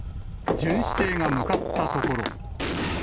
巡視艇が向かったところ。